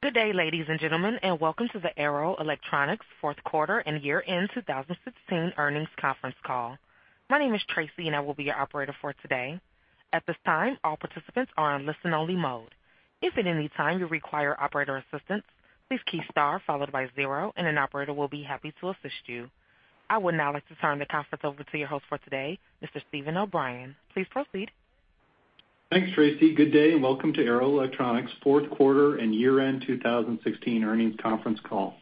Good day, ladies and gentlemen, and welcome to the Arrow Electronics Fourth Quarter and Year-End 2016 Earnings Conference Call. My name is Tracy, and I will be your operator for today. At this time, all participants are on listen-only mode. If at any time you require operator assistance, please key Star followed by zero, and an operator will be happy to assist you. I would now like to turn the conference over to your host for today, Mr. Steven O'Brien. Please proceed. Thanks, Tracy. Good day, and welcome to Arrow Electronics' fourth quarter and year-end 2016 earnings conference call.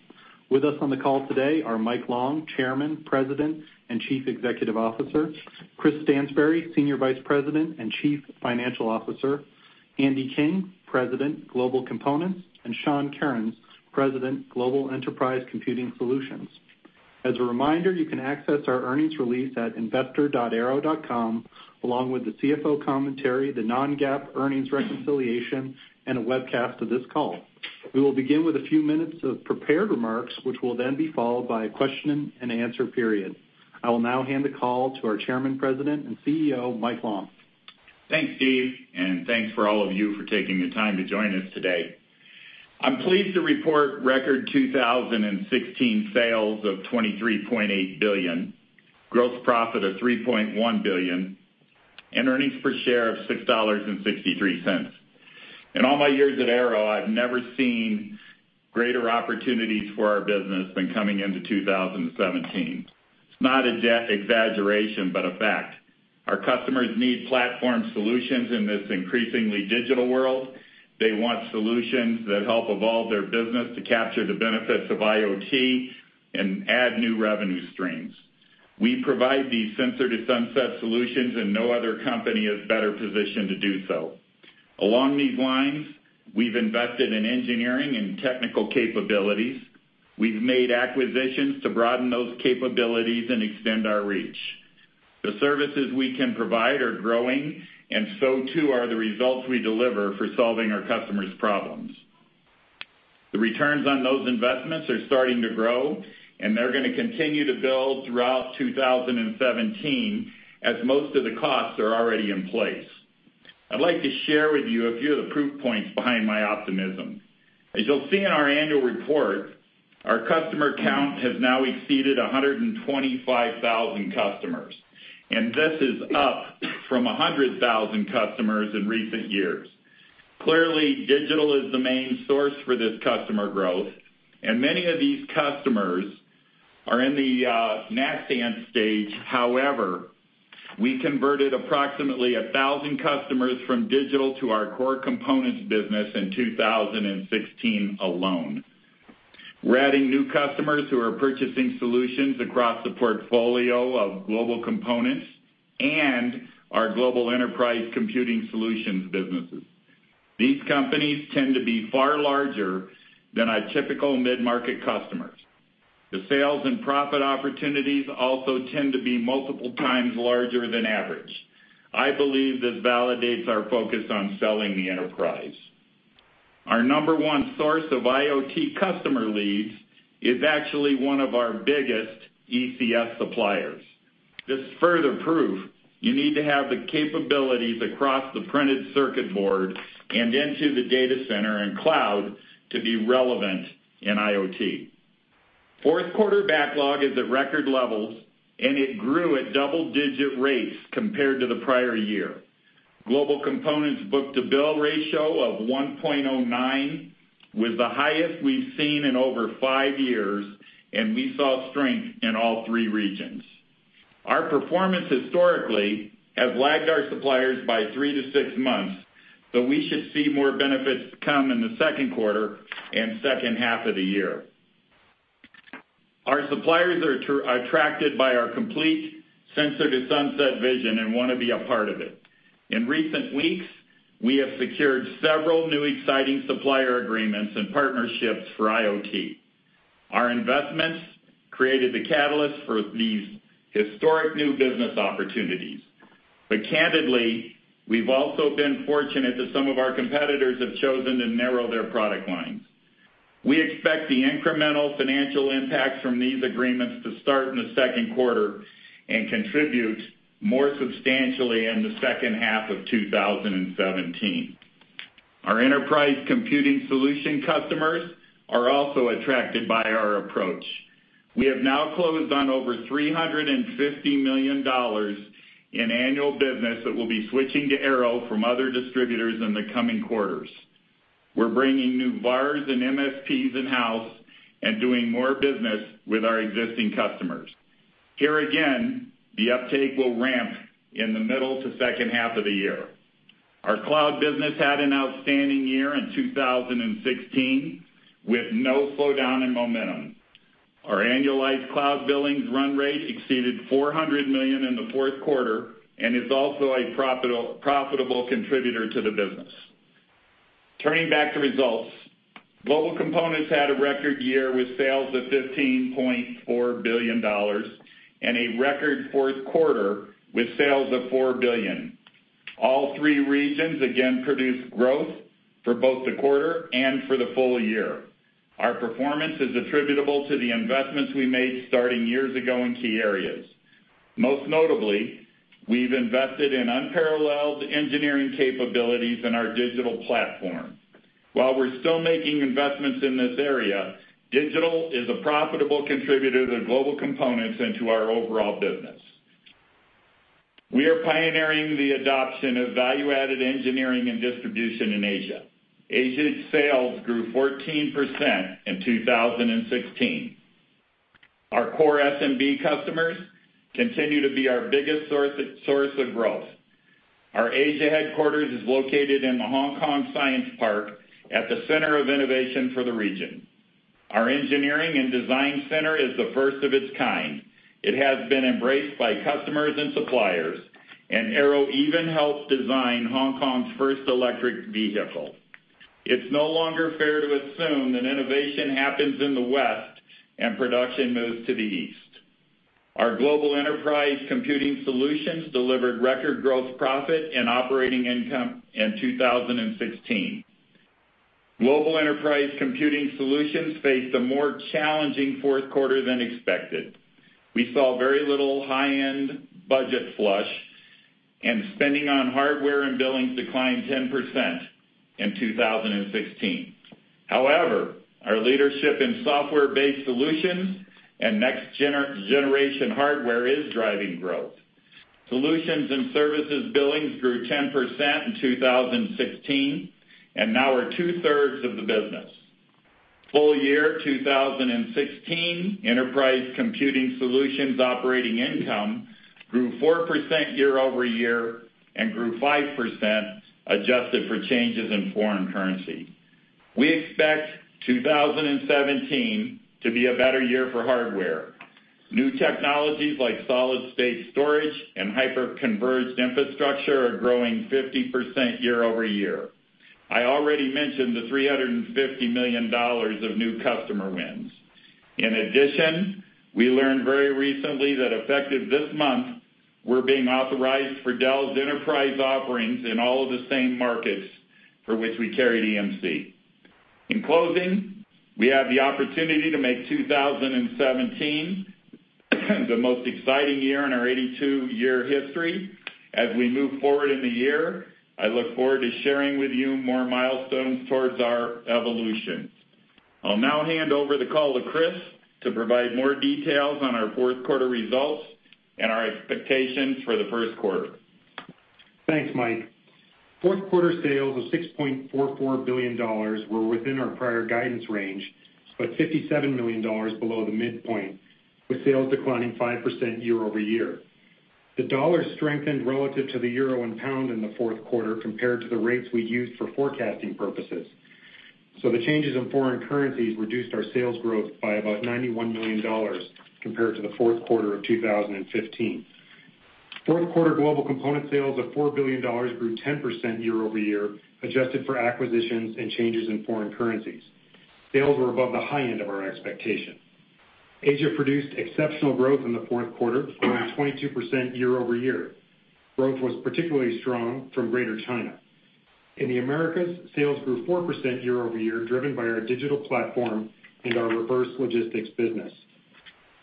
With us on the call today are Mike Long, Chairman, President, and Chief Executive Officer, Chris Stansbury, Senior Vice President and Chief Financial Officer, Andy King, President, Global Components, and Sean Kerins, President, Global Enterprise Computing Solutions. As a reminder, you can access our earnings release at investor.arrow.com, along with the CFO commentary, the non-GAAP earnings reconciliation, and a webcast of this call. We will begin with a few minutes of prepared remarks, which will then be followed by a question-and-answer period. I will now hand the call to our Chairman, President, and CEO, Mike Long. Thanks, Steve, and thanks for all of you for taking the time to join us today. I'm pleased to report record 2016 sales of $23.8 billion, gross profit of $3.1 billion, and earnings per share of $6.63. In all my years at Arrow, I've never seen greater opportunities for our business than coming into 2017. It's not exaggeration, but a fact. Our customers need platform solutions in this increasingly digital world. They want solutions that help evolve their business to capture the benefits of IoT and add new revenue streams. We provide these Sensor to Sunset solutions, and no other company is better positioned to do so. Along these lines, we've invested in engineering and technical capabilities. We've made acquisitions to broaden those capabilities and extend our reach. The services we can provide are growing, and so, too, are the results we deliver for solving our customers' problems. The returns on those investments are starting to grow, and they're going to continue to build throughout 2017, as most of the costs are already in place. I'd like to share with you a few of the proof points behind my optimism. As you'll see in our annual report, our customer count has now exceeded 125,000 customers, and this is up from 100,000 customers in recent years. Clearly, digital is the main source for this customer growth, and many of these customers are in the nascent stage. However, we converted approximately 1,000 customers from digital to our core components business in 2016 alone. We're adding new customers who are purchasing solutions across the portfolio of Global Components and our Global Enterprise Computing Solutions businesses. These companies tend to be far larger than our typical mid-market customers. The sales and profit opportunities also tend to be multiple times larger than average. I believe this validates our focus on selling the enterprise. Our number one source of IoT customer leads is actually one of our biggest ECS suppliers. This is further proof you need to have the capabilities across the printed circuit board and into the data center and cloud to be relevant in IoT. Fourth quarter backlog is at record levels, and it grew at double-digit rates compared to the prior year. Global Components' book-to-bill ratio of 1.09 was the highest we've seen in over five years, and we saw strength in all three regions. Our performance historically has lagged our suppliers by 3-6 months, but we should see more benefits come in the second quarter and second half of the year. Our suppliers are attracted by our complete Sensor to Sunset vision and want to be a part of it. In recent weeks, we have secured several new exciting supplier agreements and partnerships for IoT. Our investments created the catalyst for these historic new business opportunities, but candidly, we've also been fortunate that some of our competitors have chosen to narrow their product lines. We expect the incremental financial impacts from these agreements to start in the second quarter and contribute more substantially in the second half of 2017. Our enterprise computing solution customers are also attracted by our approach. We have now closed on over $350 million in annual business that will be switching to Arrow from other distributors in the coming quarters. We're bringing new VARs and MSPs in-house and doing more business with our existing customers. Here, again, the uptake will ramp in the middle to second half of the year. Our cloud business had an outstanding year in 2016, with no slowdown in momentum. Our annualized cloud billings run rate exceeded $400 million in the fourth quarter and is also a profitable contributor to the business. Turning back to results, Global Components had a record year with sales of $15.4 billion and a record fourth quarter with sales of $4 billion. All three regions again produced growth for both the quarter and for the full year. Our performance is attributable to the investments we made starting years ago in key areas. Most notably, we've invested in unparalleled engineering capabilities in our digital platform. While we're still making investments in this area, digital is a profitable contributor to Global Components and to our overall business. We are pioneering the adoption of value-added engineering and distribution in Asia. Asia's sales grew 14% in 2016. Our core SMB customers continue to be our biggest source, source of growth. Our Asia headquarters is located in the Hong Kong Science Park at the center of innovation for the region. Our engineering and design center is the first of its kind. It has been embraced by customers and suppliers, and Arrow even helped design Hong Kong's first electric vehicle. It's no longer fair to assume that innovation happens in the West and production moves to the East. Our Global Enterprise Computing Solutions delivered record growth, profit, and operating income in 2016. Global Enterprise Computing Solutions faced a more challenging fourth quarter than expected. We saw very little high-end budget flush, and spending on hardware and billings declined 10% in 2016. However, our leadership in software-based solutions and next-generation hardware is driving growth. Solutions and services billings grew 10% in 2016 and now are two-thirds of the business. Full year 2016, Enterprise Computing Solutions operating income grew 4% year-over-year and grew 5% adjusted for changes in foreign currency. We expect 2017 to be a better year for hardware. New technologies like solid-state storage and hyper-converged infrastructure are growing 50% year-over-year. I already mentioned the $350 million of new customer wins. In addition, we learned very recently that effective this month, we're being authorized for Dell's enterprise offerings in all of the same markets for which we carry EMC. In closing, we have the opportunity to make 2017 the most exciting year in our 82-year history. As we move forward in the year, I look forward to sharing with you more milestones towards our evolution. I'll now hand over the call to Chris to provide more details on our fourth quarter results and our expectations for the first quarter. Thanks, Mike. Fourth quarter sales of $6.44 billion were within our prior guidance range, but $57 million below the midpoint, with sales declining 5% year-over-year. The dollar strengthened relative to the euro and pound in the fourth quarter compared to the rates we used for forecasting purposes, so the changes in foreign currencies reduced our sales growth by about $91 million compared to the fourth quarter of 2015. Fourth quarter Global Components sales of $4 billion grew 10% year-over-year, adjusted for acquisitions and changes in foreign currencies. Sales were above the high end of our expectation. Asia produced exceptional growth in the fourth quarter, growing 22% year-over-year. Growth was particularly strong from Greater China. In the Americas, sales grew 4% year-over-year, driven by our digital platform and our reverse logistics business.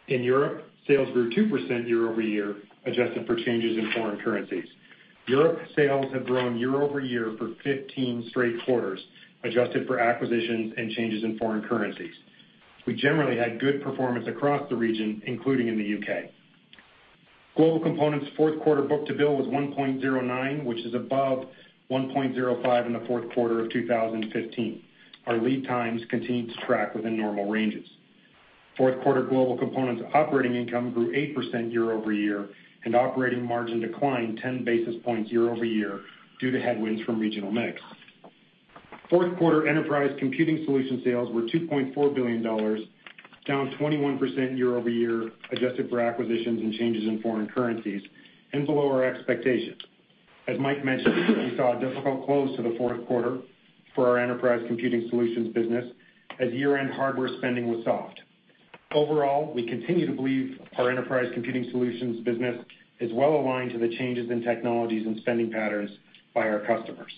In Europe, sales grew 2% year-over-year, adjusted for changes in foreign currencies. Europe sales have grown year-over-year for 15 straight quarters, adjusted for acquisitions and changes in foreign currencies. We generally had good performance across the region, including in the U.K. Global Components' fourth quarter book-to-bill was 1.09, which is above 1.05 in the fourth quarter of 2015. Our lead times continued to track within normal ranges. Fourth quarter Global Components operating income grew 8% year-over-year, and operating margin declined 10 basis points year-over-year due to headwinds from regional mix. Fourth quarter Enterprise Computing Solutions sales were $2.4 billion, down 21% year-over-year, adjusted for acquisitions and changes in foreign currencies, and below our expectations. As Mike mentioned, we saw a difficult close to the fourth quarter for our Enterprise Computing Solutions business, as year-end hardware spending was soft. Overall, we continue to believe our Enterprise Computing Solutions business is well aligned to the changes in technologies and spending patterns by our customers.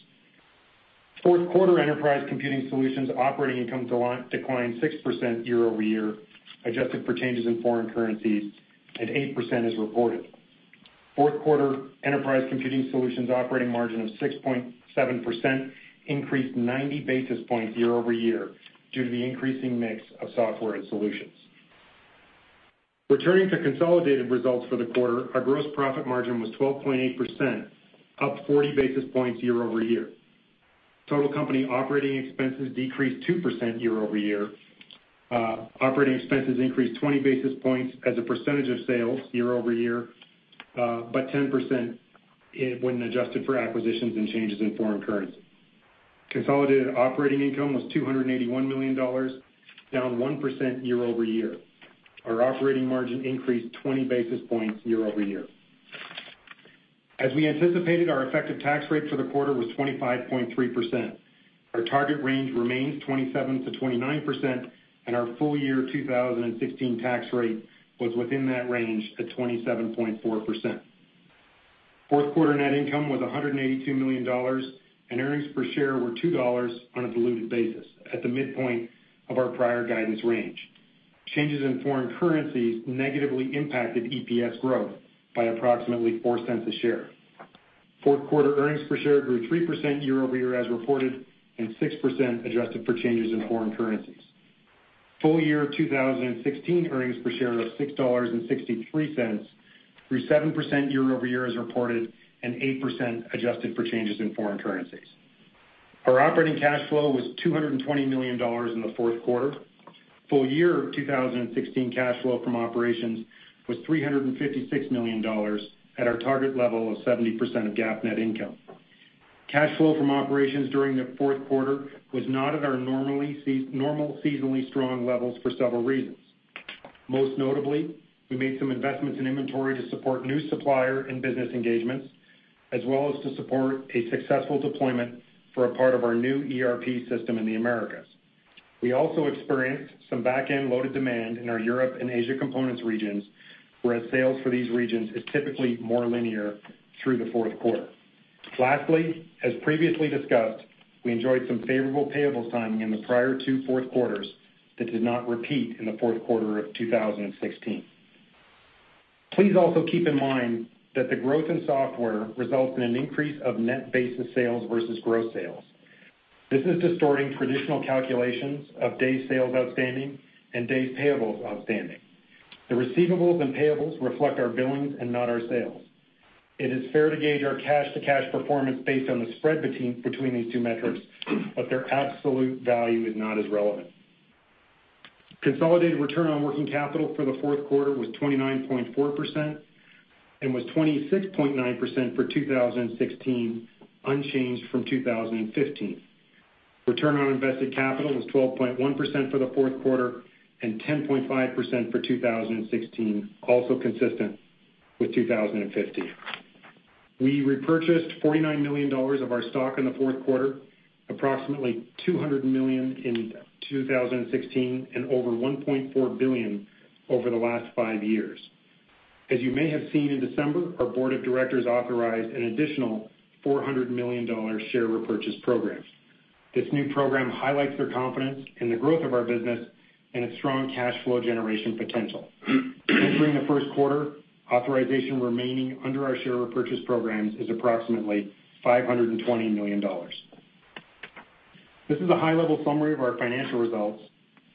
Fourth quarter Enterprise Computing Solutions operating income declined 6% year-over-year, adjusted for changes in foreign currencies, and 8% as reported. Fourth quarter Enterprise Computing Solutions operating margin of 6.7% increased 90 basis points year-over-year due to the increasing mix of software and solutions. Returning to consolidated results for the quarter, our gross profit margin was 12.8%, up 40 basis points year-over-year. Total company operating expenses decreased 2% year-over-year. Operating expenses increased 20 basis points as a percentage of sales year-over-year, but 10% when adjusted for acquisitions and changes in foreign currency. Consolidated operating income was $281 million, down 1% year-over-year. Our operating margin increased 20 basis points year-over-year. As we anticipated, our effective tax rate for the quarter was 25.3%. Our target range remains 27%-29%, and our full year 2016 tax rate was within that range at 27.4%.... Fourth quarter net income was $182 million, and earnings per share were $2 on a diluted basis at the midpoint of our prior guidance range. Changes in foreign currencies negatively impacted EPS growth by approximately $0.04 a share. Fourth quarter earnings per share grew 3% year-over-year as reported, and 6% adjusted for changes in foreign currencies. Full year 2016 earnings per share of $6.63, grew 7% year-over-year as reported, and 8% adjusted for changes in foreign currencies. Our operating cash flow was $220 million in the fourth quarter. Full year 2016 cash flow from operations was $356 million at our target level of 70% of GAAP net income. Cash flow from operations during the fourth quarter was not at our normal seasonally strong levels for several reasons. Most notably, we made some investments in inventory to support new supplier and business engagements, as well as to support a successful deployment for a part of our new ERP system in the Americas. We also experienced some back-end loaded demand in our Europe and Asia components regions, whereas sales for these regions is typically more linear through the fourth quarter. Lastly, as previously discussed, we enjoyed some favorable payable timing in the prior two fourth quarters that did not repeat in the fourth quarter of 2016. Please also keep in mind that the growth in software results in an increase of net basis sales versus gross sales. This is distorting traditional calculations of days sales outstanding and days payables outstanding. The receivables and payables reflect our billings and not our sales. It is fair to gauge our cash-to-cash performance based on the spread between these two metrics, but their absolute value is not as relevant. Consolidated return on working capital for the fourth quarter was 29.4% and was 26.9% for 2016, unchanged from 2015. Return on invested capital was 12.1% for the fourth quarter and 10.5% for 2016, also consistent with 2015. We repurchased $49 million of our stock in the fourth quarter, approximately $200 million in 2016, and over $1.4 billion over the last five years. As you may have seen in December, our board of directors authorized an additional $400 million share repurchase programs. This new program highlights their confidence in the growth of our business and its strong cash flow generation potential. Entering the first quarter, authorization remaining under our share repurchase programs is approximately $520 million. This is a high-level summary of our financial results.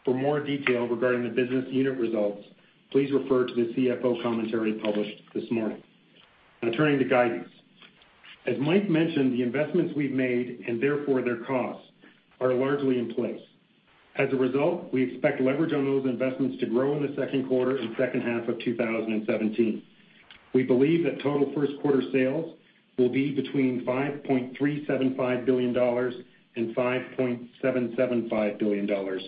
For more detail regarding the business unit results, please refer to the CFO commentary published this morning. Now turning to guidance. As Mike mentioned, the investments we've made, and therefore their costs, are largely in place. As a result, we expect leverage on those investments to grow in the second quarter and second half of 2017. We believe that total first quarter sales will be between $5.375 billion-$5.775 billion,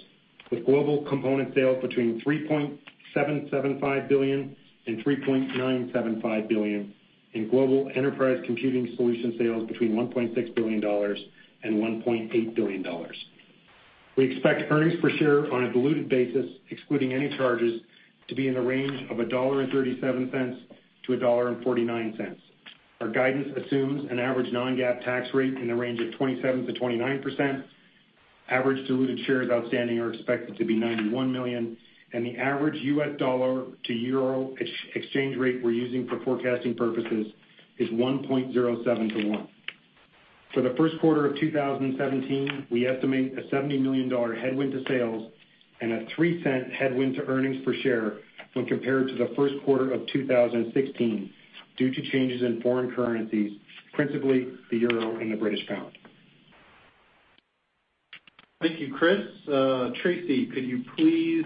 with Global Components sales between $3.775 billion-$3.975 billion, and Global Enterprise Computing Solutions sales between $1.6 billion-$1.8 billion. We expect earnings per share on a diluted basis, excluding any charges, to be in the range of $1.37-$1.49. Our guidance assumes an average non-GAAP tax rate in the range of 27%-29%. Average diluted shares outstanding are expected to be 91 million, and the average US dollar to euro exchange rate we're using for forecasting purposes is 1.07 to 1. For the first quarter of 2017, we estimate a $70 million headwind to sales and a $0.03 headwind to earnings per share when compared to the first quarter of 2016 due to changes in foreign currencies, principally the euro and the British pound. Thank you, Chris. Tracy, could you please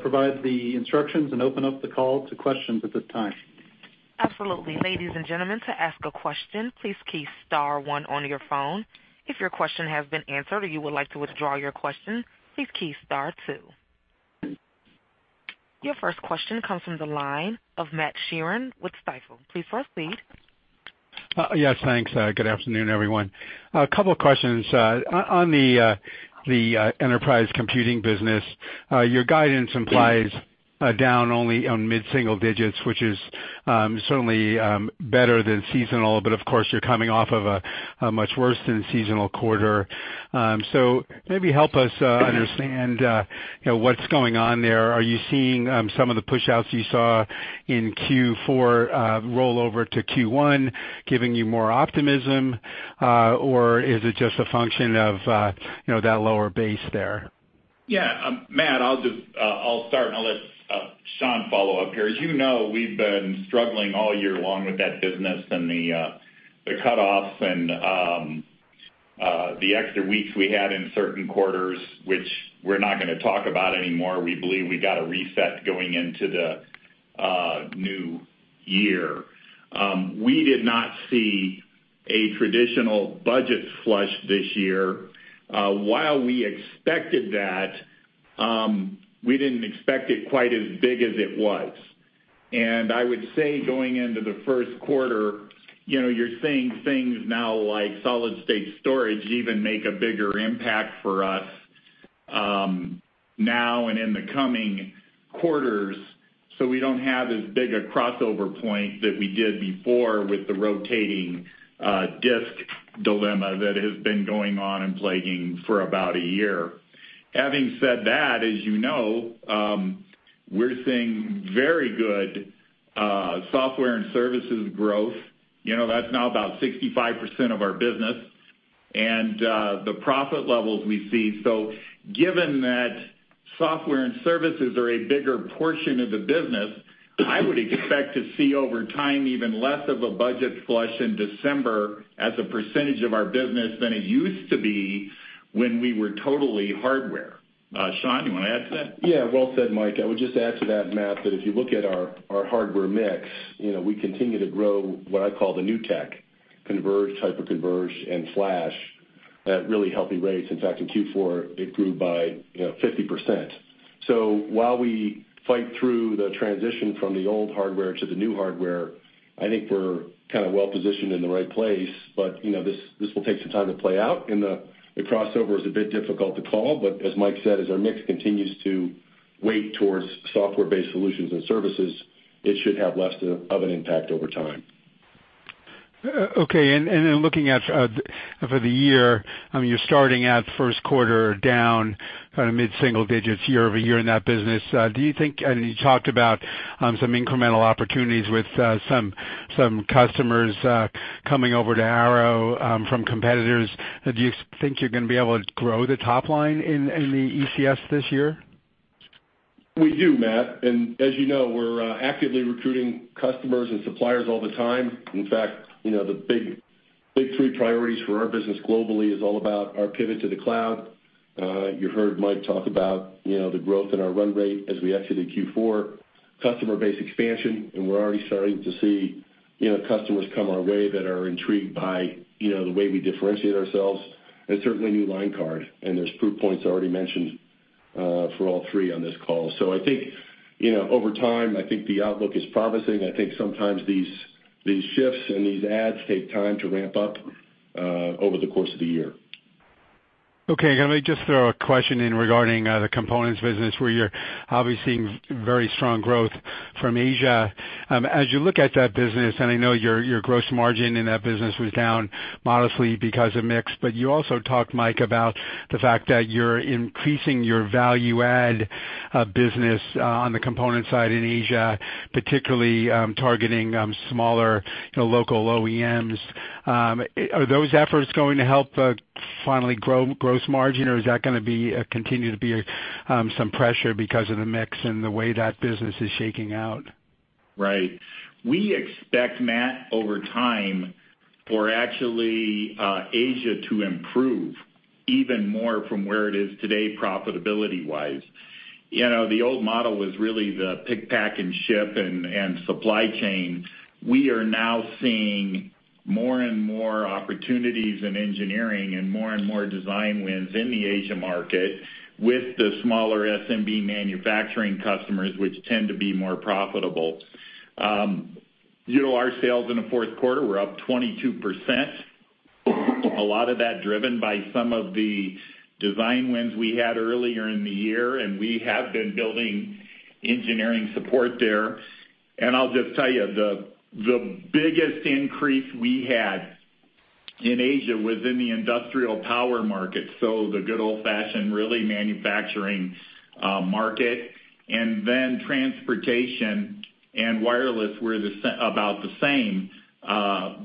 provide the instructions and open up the call to questions at this time? Absolutely. Ladies and gentlemen, to ask a question, please key star one on your phone. If your question has been answered or you would like to withdraw your question, please key star two. Your first question comes from the line of Matt Sheerin with Stifel. Please proceed. Yes, thanks. Good afternoon, everyone. A couple of questions. On the enterprise computing business, your guidance implies down only on mid-single digits, which is certainly better than seasonal, but of course, you're coming off of a much worse than seasonal quarter. So maybe help us understand, you know, what's going on there. Are you seeing some of the pushouts you saw in Q4 roll over to Q1, giving you more optimism? Or is it just a function of, you know, that lower base there? Yeah, Matt, I'll just, I'll start, and I'll let Sean follow up here. As you know, we've been struggling all year long with that business and the cutoffs and the extra weeks we had in certain quarters, which we're not gonna talk about anymore. We believe we got a reset going into the new year. We did not see a traditional budget flush this year. While we expected that, we didn't expect it quite as big as it was. And I would say going into the first quarter, you know, you're seeing things now like solid-state storage even make a bigger impact for us now and in the coming quarters, so we don't have as big a crossover point that we did before with the rotating disk dilemma that has been going on and plaguing for about a year. Having said that, as you know, we're seeing very good software and services growth. You know, that's now about 65% of our business, and the profit levels we see. So given that software and services are a bigger portion of the business, I would expect to see over time, even less of a budget flush in December as a percentage of our business than it used to be when we were totally hardware. Sean, do you want to add to that? Yeah, well said, Mike. I would just add to that, Matt, that if you look at our hardware mix, you know, we continue to grow what I call the new tech, converged, type of converged and flash at really healthy rates. In fact, in Q4, it grew by, you know, 50%. So while we fight through the transition from the old hardware to the new hardware, I think we're kind of well positioned in the right place. But, you know, this will take some time to play out, and the crossover is a bit difficult to call, but as Mike said, as our mix continues to weigh towards software-based solutions and services, it should have less of an impact over time. Okay, and then looking at for the year, I mean, you're starting at first quarter down kind of mid-single digits year-over-year in that business. Do you think, and you talked about, some incremental opportunities with some customers coming over to Arrow from competitors. Do you think you're going to be able to grow the top line in the ECS this year? We do, Matt, and as you know, we're actively recruiting customers and suppliers all the time. In fact, you know, the big, big three priorities for our business globally is all about our pivot to the cloud. You heard Mike talk about, you know, the growth in our run rate as we exited Q4, customer base expansion, and we're already starting to see, you know, customers come our way that are intrigued by, you know, the way we differentiate ourselves, and certainly new line card, and there's proof points already mentioned for all three on this call. So I think, you know, over time, I think the outlook is promising. I think sometimes these, these shifts and these ads take time to ramp up over the course of the year. Okay, let me just throw a question in regarding the components business, where you're obviously seeing very strong growth from Asia. As you look at that business, and I know your, your gross margin in that business was down modestly because of mix, but you also talked, Mike, about the fact that you're increasing your value add business on the component side in Asia, particularly targeting smaller, you know, local OEMs. Are those efforts going to help finally grow gross margin, or is that gonna be continue to be some pressure because of the mix and the way that business is shaking out? Right. We expect, Matt, over time, for actually, Asia to improve even more from where it is today, profitability-wise. You know, the old model was really the pick, pack, and ship and supply chain. We are now seeing more and more opportunities in engineering and more and more design wins in the Asia market with the smaller SMB manufacturing customers, which tend to be more profitable. You know, our sales in the fourth quarter were up 22%. A lot of that driven by some of the design wins we had earlier in the year, and we have been building engineering support there. And I'll just tell you, the biggest increase we had in Asia was in the industrial power market, so the good old-fashioned, really manufacturing, market, and then transportation and wireless were the same, about the same.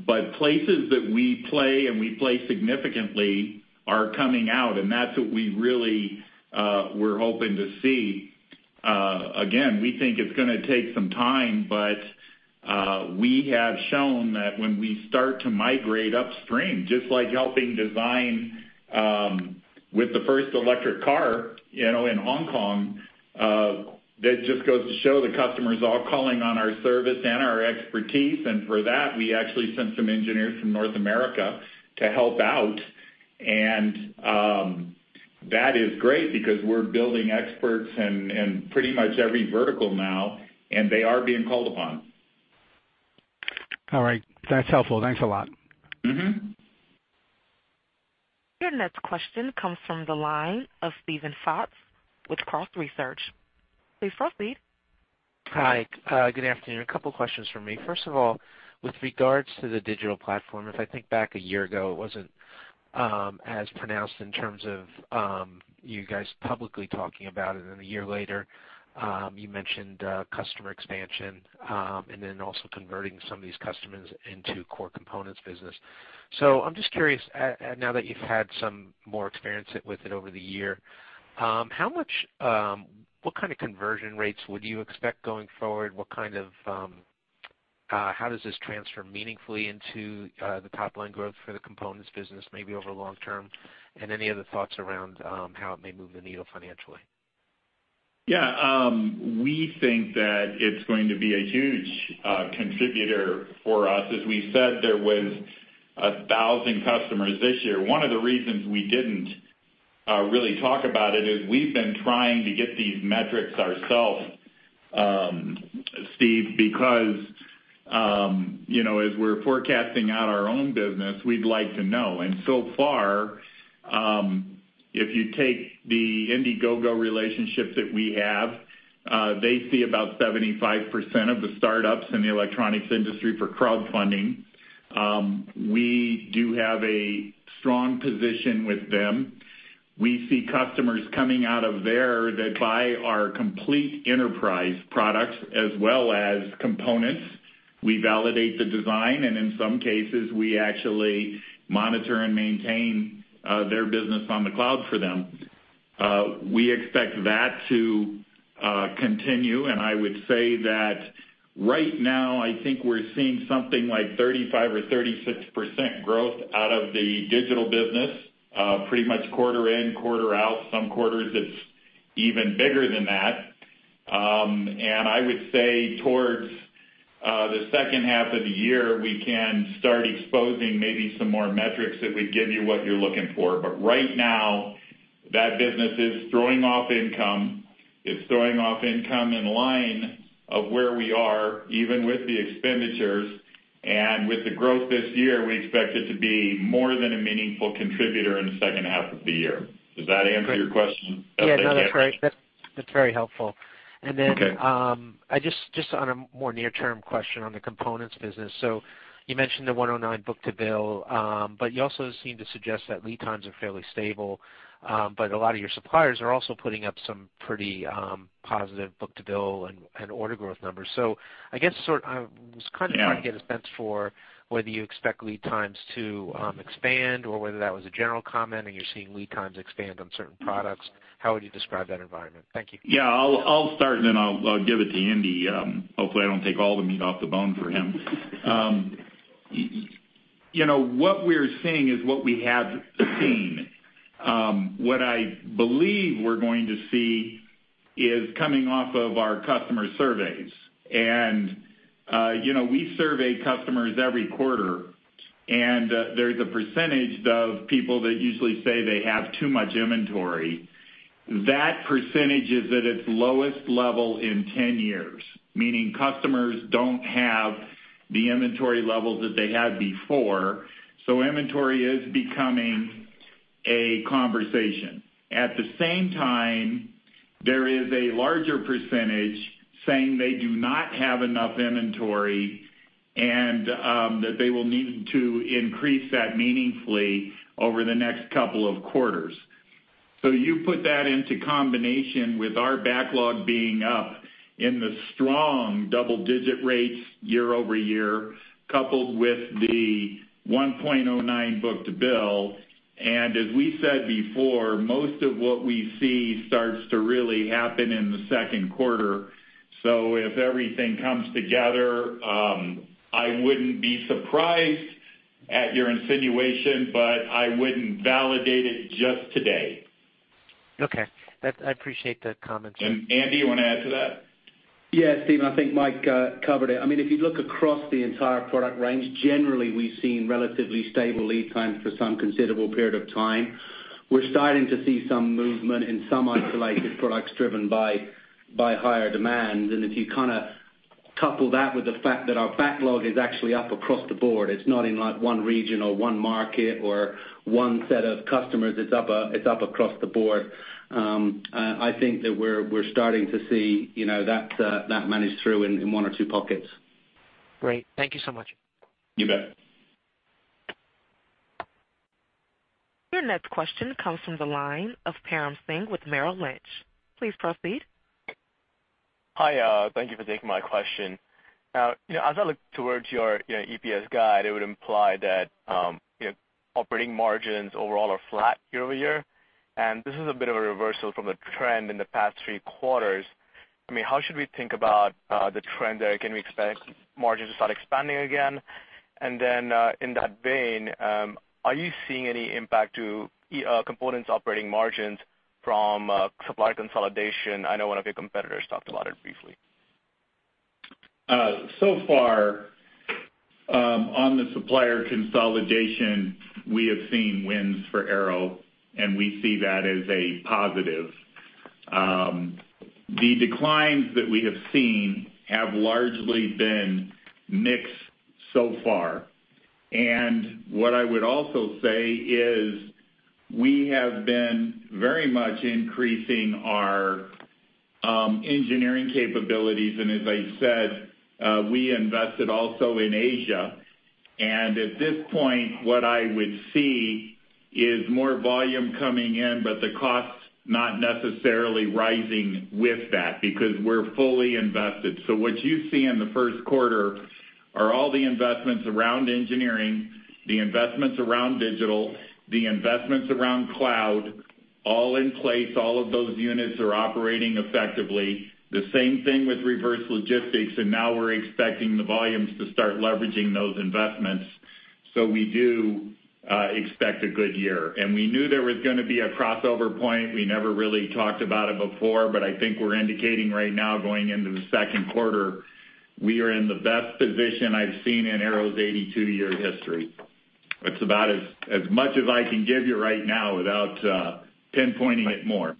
But places that we play, and we play significantly, are coming out, and that's what we really we're hoping to see. Again, we think it's gonna take some time, but we have shown that when we start to migrate upstream, just like helping design with the first electric car, you know, in Hong Kong, that just goes to show the customers are calling on our service and our expertise, and for that, we actually sent some engineers from North America to help out. And that is great because we're building experts in, in pretty much every vertical now, and they are being called upon. All right. That's helpful. Thanks a lot. Mm-hmm. Your next question comes from the line of Steven Fox with Cross Research. Please proceed. Hi, good afternoon. A couple questions for me. First of all, with regards to the digital platform, if I think back a year ago, it wasn't as pronounced in terms of you guys publicly talking about it, and a year later, you mentioned customer expansion and then also converting some of these customers into core components business. So I'm just curious, now that you've had some more experience with it over the year... What kind of conversion rates would you expect going forward? How does this transfer meaningfully into the top line growth for the components business, maybe over long term? And any other thoughts around how it may move the needle financially? Yeah, we think that it's going to be a huge contributor for us. As we said, there was 1,000 customers this year. One of the reasons we didn't really talk about it is we've been trying to get these metrics ourselves, Steve, because, you know, as we're forecasting out our own business, we'd like to know. And so far, if you take the Indiegogo relationship that we have, they see about 75% of the startups in the electronics industry for crowdfunding. We do have a strong position with them. We see customers coming out of there that buy our complete enterprise products as well as components. We validate the design, and in some cases, we actually monitor and maintain their business on the cloud for them. We expect that to continue, and I would say that right now, I think we're seeing something like 35% or 36% growth out of the digital business, pretty much quarter in, quarter out. Some quarters, it's even bigger than that. And I would say towards the second half of the year, we can start exposing maybe some more metrics that would give you what you're looking for. But right now, that business is throwing off income. It's throwing off income in line of where we are, even with the expenditures. And with the growth this year, we expect it to be more than a meaningful contributor in the second half of the year. Does that answer your question? Yeah, no, that's very helpful. Okay. I just on a more near-term question on the components business. So you mentioned the 109 book-to-bill, but you also seemed to suggest that lead times are fairly stable, but a lot of your suppliers are also putting up some pretty positive book-to-bill and order growth numbers. So I guess, sort- Yeah. I was kind of trying to get a sense for whether you expect lead times to expand, or whether that was a general comment, and you're seeing lead times expand on certain products. How would you describe that environment? Thank you. Yeah. I'll start, and then I'll give it to Andy. Hopefully, I don't take all the meat off the bone for him. You know, what we're seeing is what we have seen. What I believe we're going to see is coming off of our customer surveys. And, you know, we survey customers every quarter, and there's a percentage of people that usually say they have too much inventory. That percentage is at its lowest level in 10 years, meaning customers don't have the inventory levels that they had before, so inventory is becoming a conversation. At the same time, there is a larger percentage saying they do not have enough inventory and that they will need to increase that meaningfully over the next couple of quarters. So you put that into combination with our backlog being up in the strong double-digit rates year-over-year, coupled with the 1.09 book-to-bill, and as we said before, most of what we see starts to really happen in the second quarter. So if everything comes together, I wouldn't be surprised at your insinuation, but I wouldn't validate it just today. Okay. I appreciate the comments. Andy, you wanna add to that? Yeah, Steve, I think Mike covered it. I mean, if you look across the entire product range, generally, we've seen relatively stable lead times for some considerable period of time. We're starting to see some movement in some isolated products driven by higher demand. And if you kind of couple that with the fact that our backlog is actually up across the board, it's not in, like, one region or one market or one set of customers, it's up across the board. I think that we're starting to see, you know, that manage through in one or two pockets. Great. Thank you so much. You bet. Your next question comes from the line of Param Singh with Merrill Lynch. Please proceed. Hi, thank you for taking my question. Now, you know, as I look towards your, you know, EPS guide, it would imply that, you know, operating margins overall are flat year-over-year. This is a bit of a reversal from the trend in the past three quarters. I mean, how should we think about the trend there? Can we expect margins to start expanding again? Then, in that vein, are you seeing any impact to components operating margins from supplier consolidation? I know one of your competitors talked about it briefly. So far, on the supplier consolidation, we have seen wins for Arrow, and we see that as a positive. The declines that we have seen have largely been mixed so far. What I would also say is, we have been very much increasing our engineering capabilities, and as I said, we invested also in Asia. At this point, what I would see is more volume coming in, but the cost not necessarily rising with that, because we're fully invested. So what you see in the first quarter are all the investments around engineering, the investments around digital, the investments around cloud, all in place. All of those units are operating effectively. The same thing with reverse logistics, and now we're expecting the volumes to start leveraging those investments. So we do expect a good year. We knew there was gonna be a crossover point. We never really talked about it before, but I think we're indicating right now, going into the second quarter, we are in the best position I've seen in Arrow's 82-year history.... That's about as much as I can give you right now without pinpointing it more.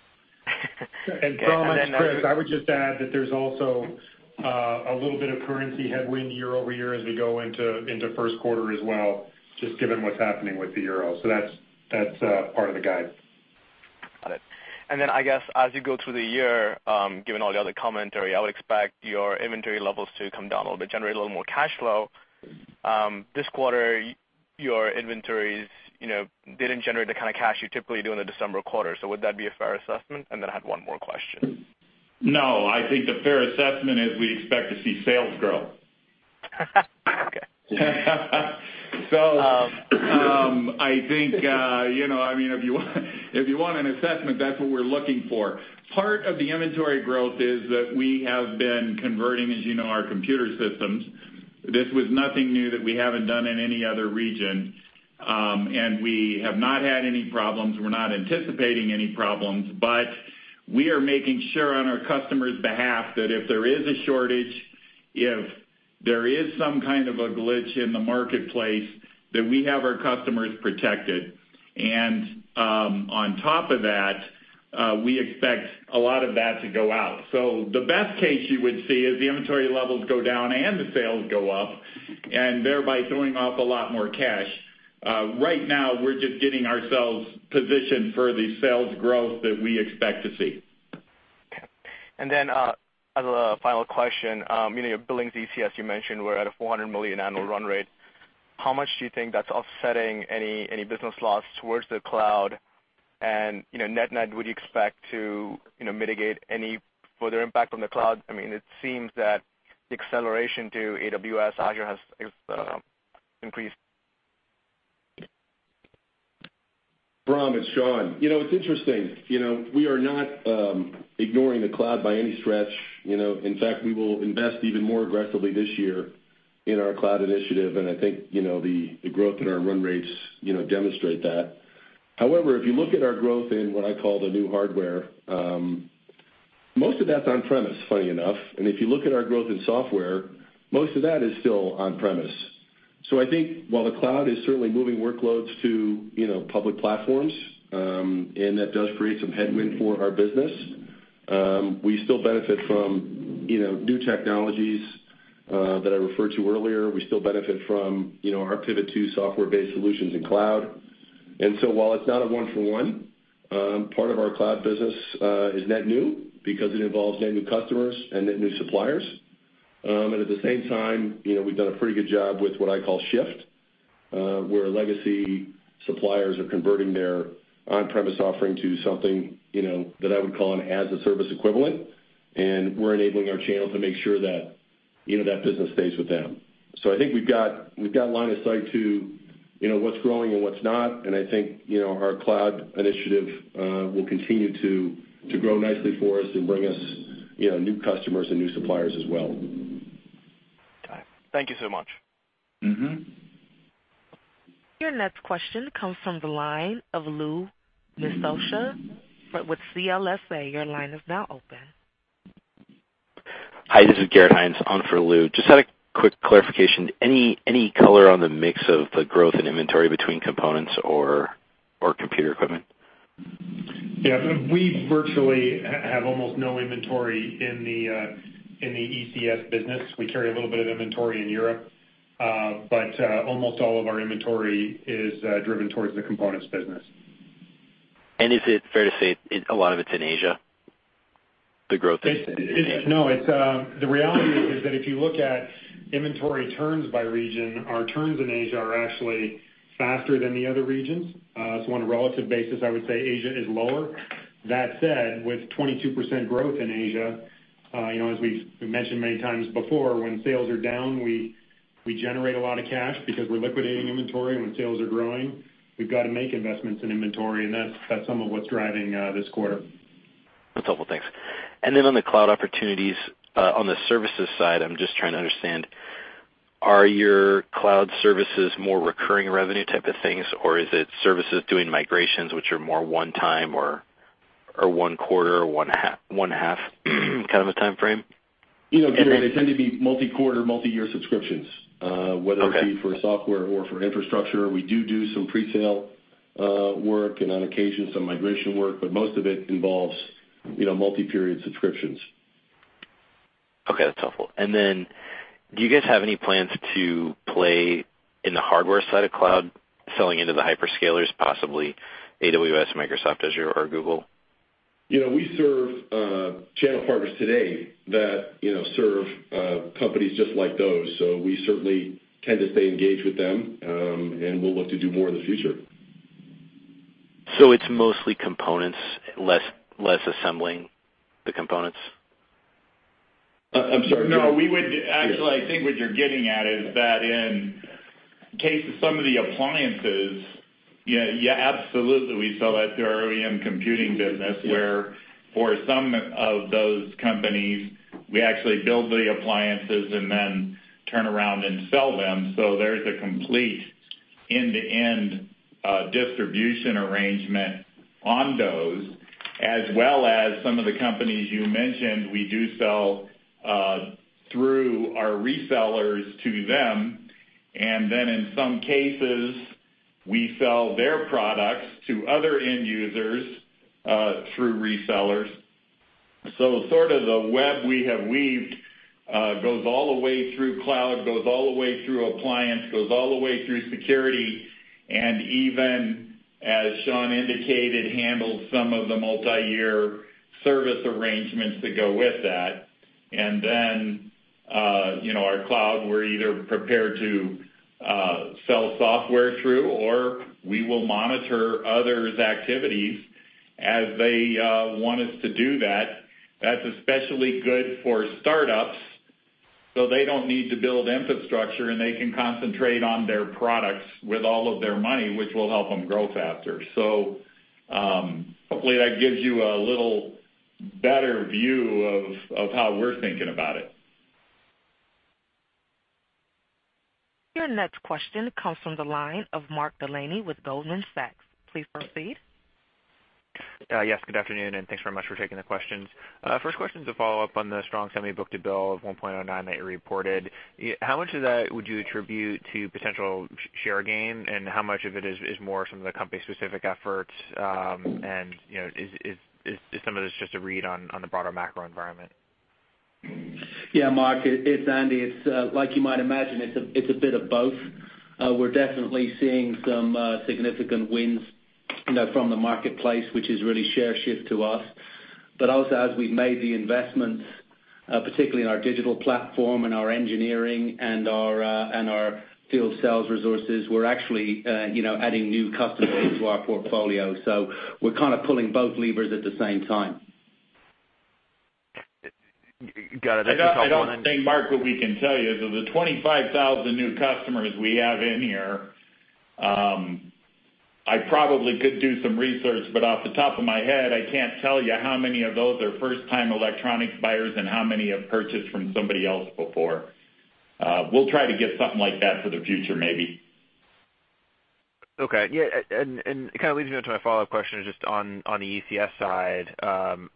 Chris, I would just add that there's also a little bit of currency headwind year-over-year as we go into first quarter as well, just given what's happening with the euro. So that's part of the guide. Got it. And then, I guess, as you go through the year, given all the other commentary, I would expect your inventory levels to come down a little bit, generate a little more cash flow. This quarter, your inventories, you know, didn't generate the kind of cash you typically do in the December quarter. So would that be a fair assessment? And then I had one more question. No, I think the fair assessment is we expect to see sales grow. Okay. I think, you know, I mean, if you want, if you want an assessment, that's what we're looking for. Part of the inventory growth is that we have been converting, as you know, our computer systems. This was nothing new that we haven't done in any other region, and we have not had any problems. We're not anticipating any problems, but we are making sure on our customer's behalf that if there is a shortage, if there is some kind of a glitch in the marketplace, that we have our customers protected. On top of that, we expect a lot of that to go out. The best case you would see is the inventory levels go down and the sales go up, and thereby throwing off a lot more cash. Right now, we're just getting ourselves positioned for the sales growth that we expect to see. Okay. And then, as a final question, you know, your billings ECS, you mentioned, were at a $400 million annual run rate. How much do you think that's offsetting any, any business loss towards the cloud? And, you know, net-net, would you expect to, you know, mitigate any further impact on the cloud? I mean, it seems that the acceleration to AWS, Azure, has increased. Param, it's Sean. You know, it's interesting, you know, we are not ignoring the cloud by any stretch, you know. In fact, we will invest even more aggressively this year in our cloud initiative, and I think, you know, the, the growth in our run rates, you know, demonstrate that. However, if you look at our growth in what I call the new hardware, most of that's on-premise, funny enough. And if you look at our growth in software, most of that is still on-premise. So I think while the cloud is certainly moving workloads to, you know, public platforms, and that does create some headwind for our business, we still benefit from, you know, new technologies, that I referred to earlier. We still benefit from, you know, our pivot to software-based solutions in cloud. So while it's not a one for one, part of our cloud business is net new because it involves net new customers and net new suppliers. And at the same time, you know, we've done a pretty good job with what I call shift, where legacy suppliers are converting their on-premise offering to something, you know, that I would call an as-a-service equivalent, and we're enabling our channel to make sure that, you know, that business stays with them. So I think we've got line of sight to, you know, what's growing and what's not, and I think, you know, our cloud initiative will continue to grow nicely for us and bring us, you know, new customers and new suppliers as well. Got it. Thank you so much. Mm-hmm. Your next question comes from the line of Louis Miscioscia, with CLSA. Your line is now open. Hi, this is Garrett Hinds on for Louis. Just had a quick clarification. Any color on the mix of the growth in inventory between components or computer equipment? Yeah, we virtually have almost no inventory in the ECS business. We carry a little bit of inventory in Europe, but almost all of our inventory is driven towards the components business. Is it fair to say it, a lot of it's in Asia, the growth is in Asia? No, it's the reality is that if you look at inventory turns by region, our turns in Asia are actually faster than the other regions. So on a relative basis, I would say Asia is lower. That said, with 22% growth in Asia, you know, as we've mentioned many times before, when sales are down, we generate a lot of cash because we're liquidating inventory. When sales are growing, we've got to make investments in inventory, and that's some of what's driving this quarter. That's helpful. Thanks. And then on the cloud opportunities, on the services side, I'm just trying to understand, are your cloud services more recurring revenue type of things, or is it services doing migrations which are more one time or, or one half, one half kind of a timeframe? You know, Garrett, they tend to be multi-quarter, multi-year subscriptions, Okay. whether it be for software or for infrastructure. We do do some presale work and on occasion, some migration work, but most of it involves, you know, multi-period subscriptions. Okay, that's helpful. And then do you guys have any plans to play in the hardware side of cloud, selling into the hyperscalers, possibly AWS, Microsoft Azure, or Google? You know, we serve channel partners today that, you know, serve companies just like those. So we certainly tend to stay engaged with them, and we'll look to do more in the future. It's mostly components, less, less assembling the components? I'm sorry. No. Actually, I think what you're getting at is that in case of some of the appliances, yeah, yeah, absolutely, we sell that through our OEM computing business, where for some of those companies, we actually build the appliances and then turn around and sell them. So there's a complete end-to-end distribution arrangement on those, as well as some of the companies you mentioned, we do sell through our resellers to them, and then in some cases, we sell their products to other end users through resellers. So sort of the web we have weaved goes all the way through cloud, goes all the way through appliance, goes all the way through security, and even, as Sean indicated, handles some of the multiyear service arrangements that go with that. And then, you know, our cloud, we're either prepared to sell software through, or we will monitor others' activities as they want us to do that. That's especially good for startups, so they don't need to build infrastructure, and they can concentrate on their products with all of their money, which will help them grow faster. So, hopefully, that gives you a little better view of how we're thinking about it. Your next question comes from the line of Mark Delaney with Goldman Sachs. Please proceed. Yes, good afternoon, and thanks very much for taking the questions. First question is a follow-up on the strong semi book-to-bill of 1.09 that you reported. How much of that would you attribute to potential share gain, and how much of it is more some of the company-specific efforts? You know, is some of this just a read on the broader macro environment? Yeah, Mark, it's Andy. It's like you might imagine, it's a bit of both. We're definitely seeing some significant wins, you know, from the marketplace, which is really share shift to us. But also, as we've made the investments, particularly in our digital platform and our engineering and our field sales resources, we're actually, you know, adding new customers into our portfolio. So we're kind of pulling both levers at the same time. Got it. I don't think, Mark, what we can tell you, of the 25,000 new customers we have in here, I probably could do some research, but off the top of my head, I can't tell you how many of those are first-time electronics buyers and how many have purchased from somebody else before. We'll try to get something like that for the future, maybe. Okay. Yeah, and it kind of leads me into my follow-up question, just on the ECS side.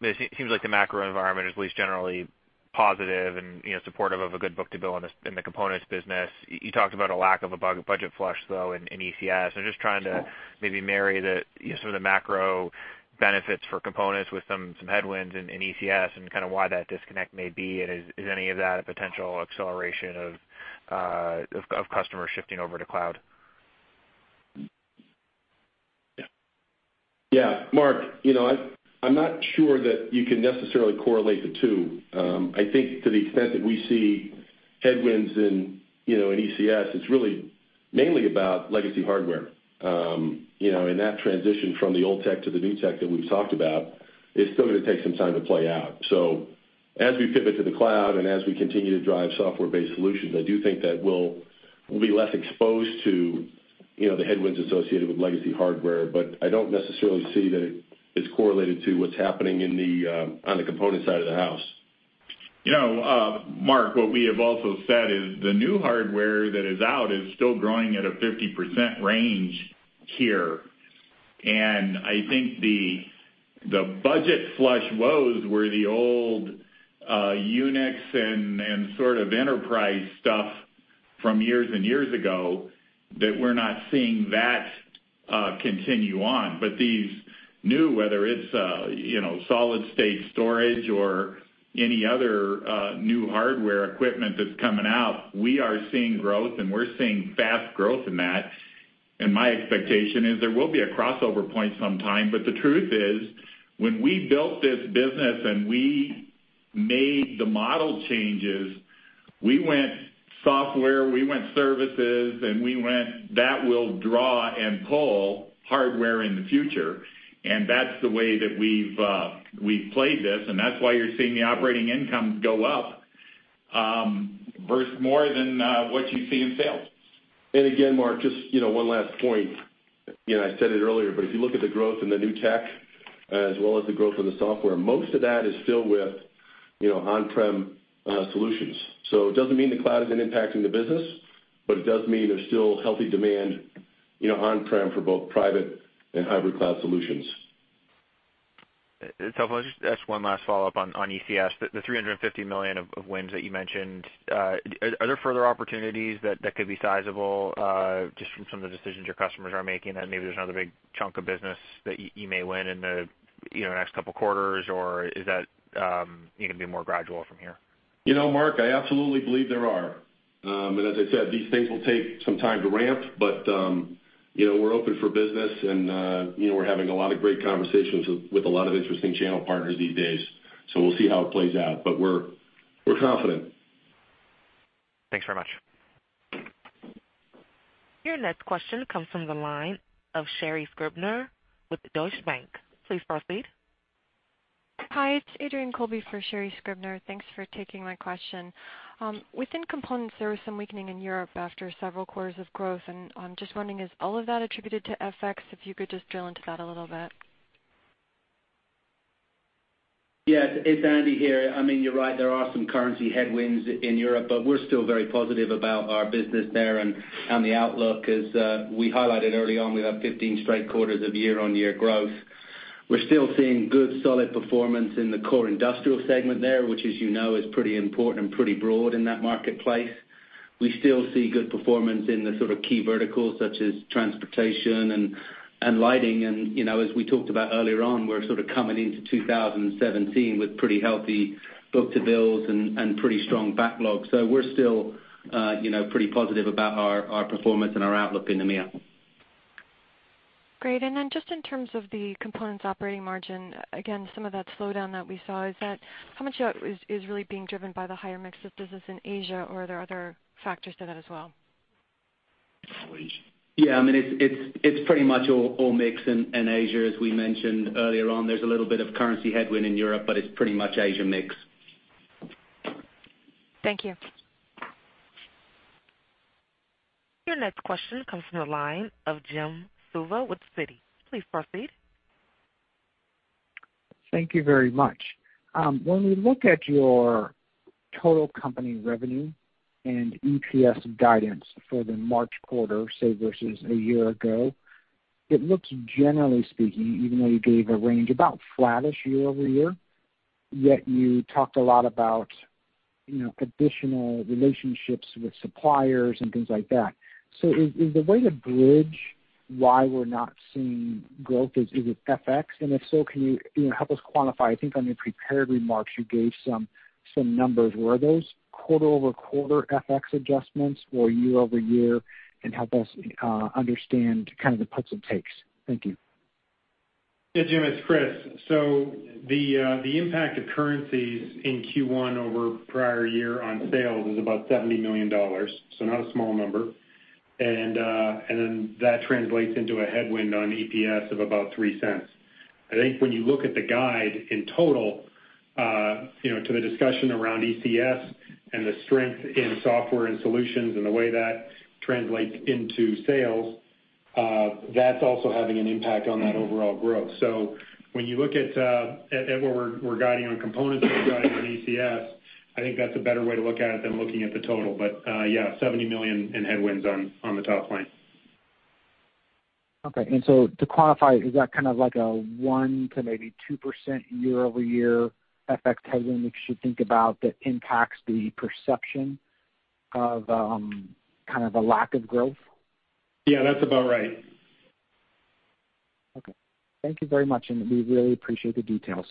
It seems like the macro environment is at least generally positive and, you know, supportive of a good book-to-bill on this, in the components business. You talked about a lack of a budget flush, though, in ECS. I'm just trying to maybe marry the, you know, some of the macro benefits for components with some headwinds in ECS and kind of why that disconnect may be, and is any of that a potential acceleration of customers shifting over to cloud? Yeah, Mark, you know, I, I'm not sure that you can necessarily correlate the two. I think to the extent that we see headwinds in, you know, in ECS, it's really mainly about legacy hardware. You know, and that transition from the old tech to the new tech that we've talked about is still going to take some time to play out. So as we pivot to the cloud and as we continue to drive software-based solutions, I do think that we'll be less exposed to, you know, the headwinds associated with legacy hardware, but I don't necessarily see that it's correlated to what's happening in the, on the component side of the house. You know, Mark, what we have also said is the new hardware that is out is still growing at a 50% range here, and I think the budget flush woes were the old Unix and sort of enterprise stuff from years and years ago that we're not seeing that continue on. But these new, whether it's, you know, solid-state storage or any other new hardware equipment that's coming out, we are seeing growth, and we're seeing fast growth in that. And my expectation is there will be a crossover point sometime, but the truth is, when we built this business, and we made the model changes, we went software, we went services, and we went, that will draw and pull hardware in the future. That's the way that we've played this, and that's why you're seeing the operating income go up, versus more than what you see in sales. And again, Mark, just, you know, one last point. You know, I said it earlier, but if you look at the growth in the new tech as well as the growth in the software, most of that is still with, you know, on-prem solutions. So it doesn't mean the cloud isn't impacting the business, but it does mean there's still healthy demand, you know, on-prem for both private and hybrid cloud solutions. So can I just ask one last follow-up on ECS, the $350 million of wins that you mentioned, are there further opportunities that could be sizable, just from some of the decisions your customers are making, and maybe there's another big chunk of business that you may win in the, you know, next couple quarters, or is that, you know, going to be more gradual from here? You know, Mark, I absolutely believe there are. And as I said, these things will take some time to ramp, but you know, we're open for business, and you know, we're having a lot of great conversations with a lot of interesting channel partners these days. So we'll see how it plays out, but we're confident. Thanks very much. Your next question comes from the line of Sherri Scribner with Deutsche Bank. Please proceed. Hi, it's Adrienne Colby for Sherri Scribner. Thanks for taking my question. Within components, there was some weakening in Europe after several quarters of growth, and I'm just wondering, is all of that attributed to FX? If you could just drill into that a little bit.... Yes, it's Andy here. I mean, you're right, there are some currency headwinds in Europe, but we're still very positive about our business there and the outlook. As we highlighted early on, we've had 15 straight quarters of year-over-year growth. We're still seeing good, solid performance in the core industrial segment there, which, as you know, is pretty important and pretty broad in that marketplace. We still see good performance in the sort of key verticals such as transportation and lighting. And, you know, as we talked about earlier on, we're sort of coming into 2017 with pretty healthy book-to bills and pretty strong backlogs. So we're still, you know, pretty positive about our performance and our outlook in EMEA. Great. And then just in terms of the components operating margin, again, some of that slowdown that we saw, is that—how much of that is, is really being driven by the higher mix of business in Asia, or are there other factors to that as well? Yeah, I mean, it's pretty much all mix in Asia, as we mentioned earlier on. There's a little bit of currency headwind in Europe, but it's pretty much Asia mix. Thank you. Your next question comes from the line of Jim Suva with Citi. Please proceed. Thank you very much. When we look at your total company revenue and EPS guidance for the March quarter, say, versus a year ago, it looks, generally speaking, even though you gave a range, about flattish year-over-year, yet you talked a lot about, you know, additional relationships with suppliers and things like that. So is the way to bridge why we're not seeing growth is it FX? And if so, can you, you know, help us quantify? I think on your prepared remarks, you gave some numbers. Were those quarter-over-quarter FX adjustments or year-over-year? And help us understand kind of the puts and takes. Thank you. Yeah, Jim, it's Chris. So the impact of currencies in Q1 over prior year on sales is about $70 million, so not a small number. And then that translates into a headwind on EPS of about $0.03. I think when you look at the guide in total, you know, to the discussion around ECS and the strength in software and solutions and the way that translates into sales, that's also having an impact on that overall growth. So when you look at where we're guiding on components, we're guiding on ECS, I think that's a better way to look at it than looking at the total. But yeah, $70 million in headwinds on the top line. Okay. And so to quantify, is that kind of like a 1% to maybe 2% year-over-year FX headwind we should think about that impacts the perception of kind of a lack of growth? Yeah, that's about right. Okay. Thank you very much, and we really appreciate the details.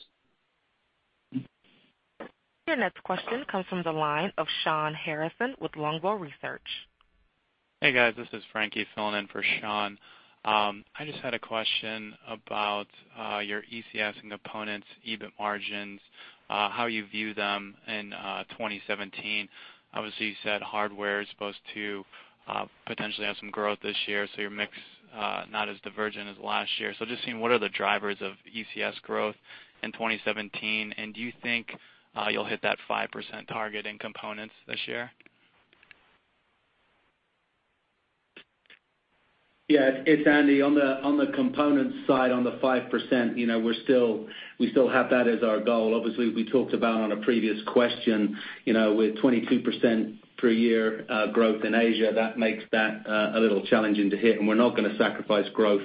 Your next question comes from the line of Shawn Harrison with Longbow Research. Hey, guys. This is Frankie filling in for Shawn. I just had a question about your ECS and components, EBIT margins, how you view them in 2017. Obviously, you said hardware is supposed to potentially have some growth this year, so your mix not as divergent as last year. So just seeing what are the drivers of ECS growth in 2017, and do you think you'll hit that 5% target in components this year? Yeah, it's Andy. On the, on the components side, on the 5%, you know, we're still-- we still have that as our goal. Obviously, we talked about on a previous question, you know, with 22% per year growth in Asia, that makes that a little challenging to hit, and we're not gonna sacrifice growth,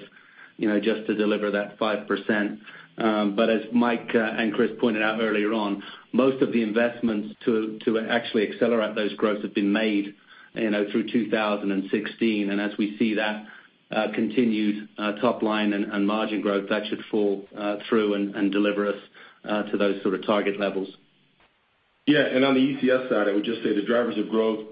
you know, just to deliver that 5%. But as Mike and Chris pointed out earlier on, most of the investments to actually accelerate those growths have been made, you know, through 2016. And as we see that continued top line and margin growth, that should fall through and deliver us to those sort of target levels. Yeah, and on the ECS side, I would just say the drivers of growth,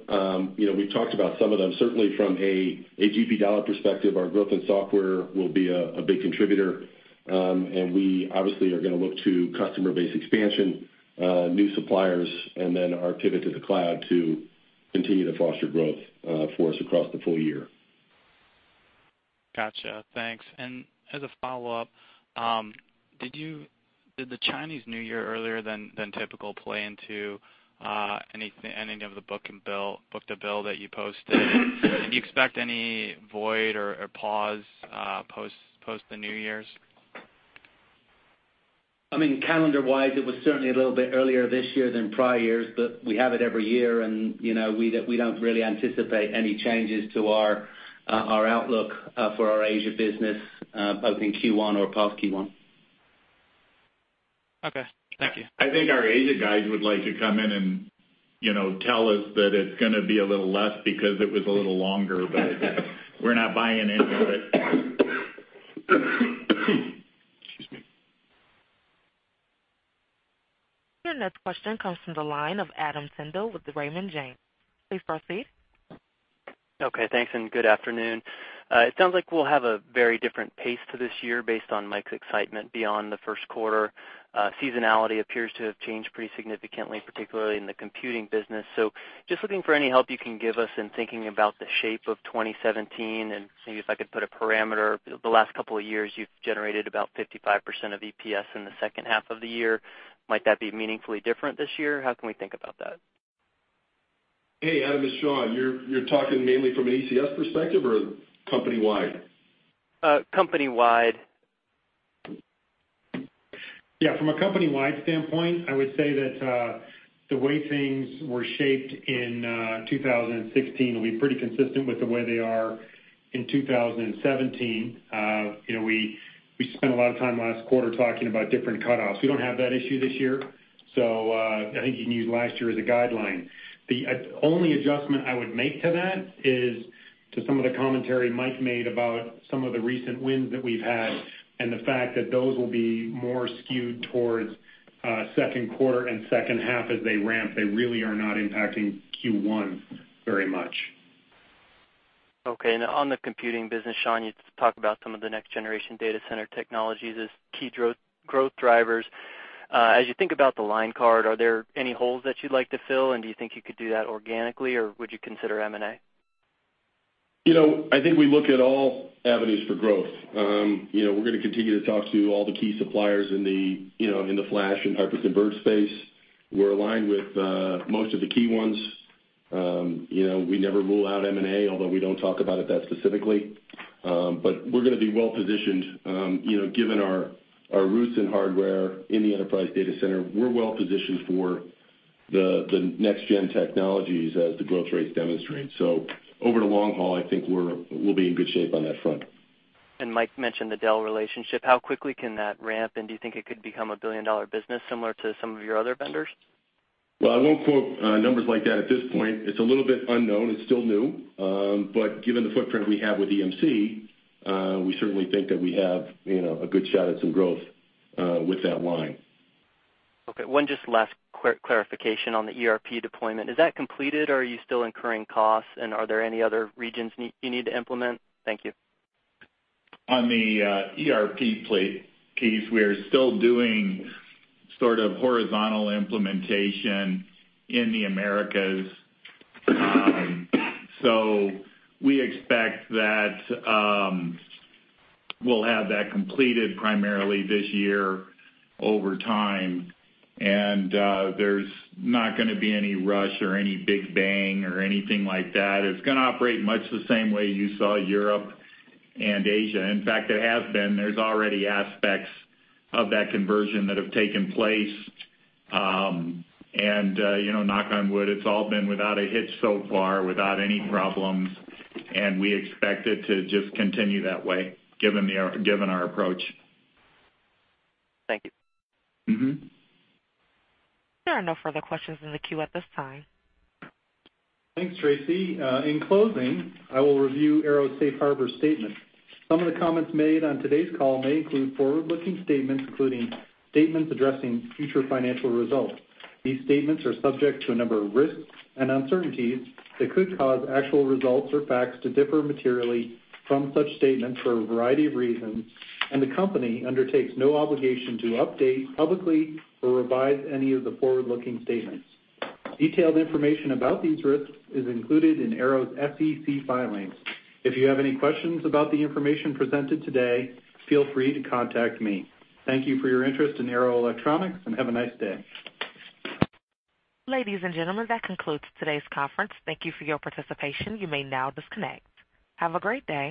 you know, we've talked about some of them. Certainly from a GP dollar perspective, our growth in software will be a, a big contributor. And we obviously are gonna look to customer base expansion, new suppliers, and then our pivot to the cloud to continue to foster growth, for us across the full year. Gotcha. Thanks. As a follow-up, did the Chinese New Year earlier than typical play into any of the book-to-bill that you posted? Did you expect any void or pause post the New Year's? I mean, calendar wise, it was certainly a little bit earlier this year than prior years, but we have it every year, and, you know, we don't, we don't really anticipate any changes to our, our outlook, for our Asia business, both in Q1 or post Q1. Okay. Thank you. I think our Asia guys would like to come in and, you know, tell us that it's gonna be a little less because it was a little longer, but we're not buying into it. Excuse me. Your next question comes from the line of Adam Tindle with Raymond James. Please proceed. Okay, thanks, and good afternoon. It sounds like we'll have a very different pace to this year based on Mike's excitement beyond the first quarter. Seasonality appears to have changed pretty significantly, particularly in the computing business. So just looking for any help you can give us in thinking about the shape of 2017, and maybe if I could put a parameter, the last couple of years, you've generated about 55% of EPS in the second half of the year. Might that be meaningfully different this year? How can we think about that? Hey, Adam, it's Sean. You're talking mainly from an ECS perspective or company-wide? Uh, company-wide. Yeah, from a company-wide standpoint, I would say that the way things were shaped in 2016 will be pretty consistent with the way they are in 2017. You know, we spent a lot of time last quarter talking about different cutoffs. We don't have that issue this year, so I think you can use last year as a guideline. The only adjustment I would make to that is to some of the commentary Mike made about some of the recent wins that we've had and the fact that those will be more skewed towards second quarter and second half as they ramp. They really are not impacting Q1 very much. Okay. And on the computing business, Sean, you talked about some of the next-generation data center technologies as key growth, growth drivers. As you think about the line card, are there any holes that you'd like to fill, and do you think you could do that organically, or would you consider M&A? You know, I think we look at all avenues for growth. You know, we're gonna continue to talk to all the key suppliers in the, you know, in the flash and hyper-converged space. We're aligned with most of the key ones. You know, we never rule out M&A, although we don't talk about it that specifically. But we're gonna be well positioned, you know, given our roots in hardware in the enterprise data center, we're well positioned for the next-gen technologies as the growth rates demonstrate. So over the long haul, I think we're -- we'll be in good shape on that front. Mike mentioned the Dell relationship. How quickly can that ramp, and do you think it could become a billion-dollar business, similar to some of your other vendors? Well, I won't quote numbers like that at this point. It's a little bit unknown. It's still new. But given the footprint we have with EMC, we certainly think that we have, you know, a good shot at some growth with that line. Okay, one just last quick clarification on the ERP deployment. Is that completed, or are you still incurring costs, and are there any other regions you need to implement? Thank you. On the ERP piece, we are still doing sort of horizontal implementation in the Americas. So we expect that we'll have that completed primarily this year over time, and there's not gonna be any rush or any big bang or anything like that. It's gonna operate much the same way you saw Europe and Asia. In fact, it has been. There's already aspects of that conversion that have taken place. And you know, knock on wood, it's all been without a hitch so far, without any problems, and we expect it to just continue that way, given our approach. Thank you. Mm-hmm. There are no further questions in the queue at this time. Thanks, Tracy. In closing, I will review Arrow's safe harbor statement. Some of the comments made on today's call may include forward-looking statements, including statements addressing future financial results. These statements are subject to a number of risks and uncertainties that could cause actual results or facts to differ materially from such statements for a variety of reasons, and the company undertakes no obligation to update publicly or revise any of the forward-looking statements. Detailed information about these risks is included in Arrow's SEC filings. If you have any questions about the information presented today, feel free to contact me. Thank you for your interest in Arrow Electronics, and have a nice day. Ladies and gentlemen, that concludes today's conference. Thank you for your participation. You may now disconnect. Have a great day.